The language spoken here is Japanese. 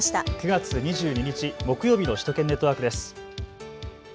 ９月２２日木曜日の首都圏ネットワークです。